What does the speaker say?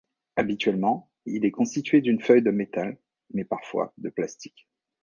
Habituellement, il est constitué d'une feuille de métal, mais parfois de plastique.